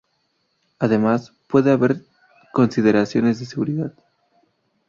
Además, puede haber consideraciones de seguridad.